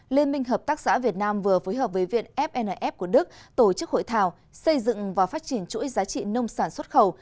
liên minh hợp tác xã việt nam vừa phối hợp với viện fnf của đức tổ chức hội thảo xây dựng và phát triển chuỗi giá trị nông sản xuất khẩu